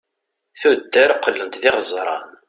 tuddar qlent d iɣeẓran